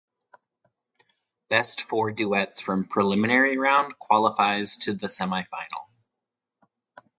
Best four duets from preliminary round qualifies to the semifinal.